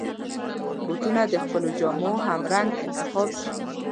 بوټونه د خپلو جامو همرنګ انتخاب شي.